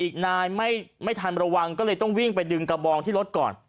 ก็เลยต้องวิ่งไปดึงกระบองที่รถก่อน